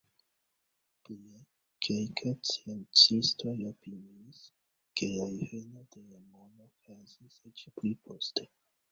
Plie, kelkaj sciencistoj opiniis, ke la alveno de la mono okazis eĉ pli poste.